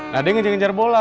nah dia ngejar ngejar bola